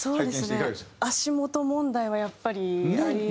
足元問題はやっぱりありますね。